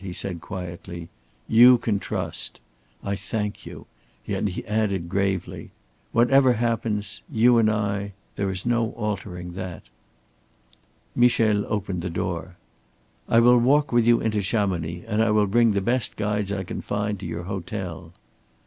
he said, quietly. "You can trust. I thank you," and he added, gravely: "Whatever happens you and I there is no altering that." Michel opened the door. "I will walk with you into Chamonix, and I will bring the best guides I can find to your hotel."